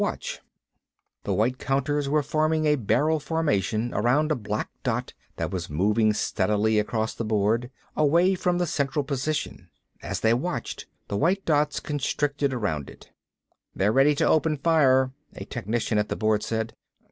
Watch." The white counters were forming a barrel formation around a black dot that was moving steadily across the board, away from the central position. As they watched, the white dots constricted around it. "They're ready to open fire," a technician at the board said.